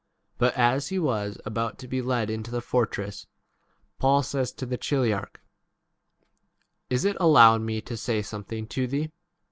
But as he was about to be led into the fortress, Paul says to the chiliarch, Is it allowed me to say something to thee